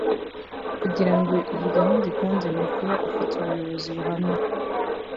Kugira ngo iyi gahunda ikunde ni uko uba ufite ubuyobozi buhamye